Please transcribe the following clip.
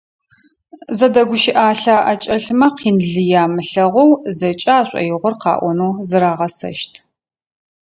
Зэдэгущыӏалъэ аӏэкӏэлъмэ, къин лые амылъэгъоу зэкӏэ ашӏоигъор къаӏонэу зырагъэсэщт.